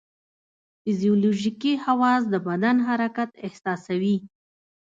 فزیولوژیکي حواس د بدن حرکت احساسوي.